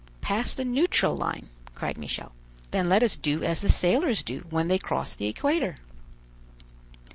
"Pass the neutral line," cried Michel; "then let us do as the sailors do when they cross the equator."